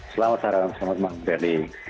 selamat malam selamat malam ferry